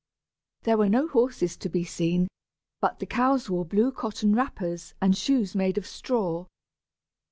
There were no horses to be seen, but the cows wore blue cotton wrappers and shoes made of straw.